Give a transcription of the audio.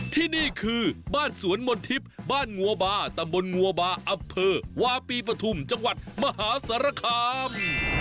ที่นี่คือบ้านสวนมนทิพย์บ้านงัวบาตำบลงัวบาอำเภอวาปีปฐุมจังหวัดมหาสารคาม